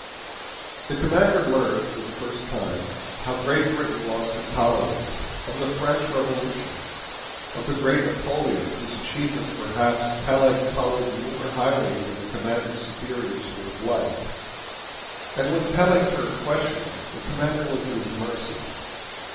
The Commander learned, for the first time, how Great Britain lost her colonies; of the French Revolution; of the great Napoleon, whose achievements, perhaps, Peleg colored more highly than the Commander's superiors would have liked. And when Peleg turned questioner, the Commander was at his mercy.